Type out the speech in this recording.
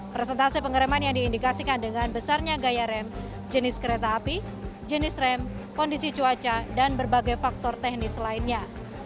presentasi pengereman yang diindikasikan dengan besarnya gaya rem jenis kereta api jenis rem kondisi cuaca dan berbagai faktor teknis lainnya